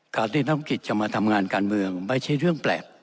การที่นักกิจจะมาทำงานการเมืองไม่ใช่เรื่องแปลก